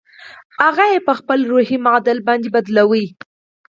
هغه يې په خپل روحي معادل باندې بدلوي.